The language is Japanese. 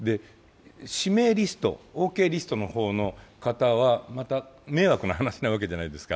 指名リスト、オーケーリストの方の方は迷惑な話じゃないですか。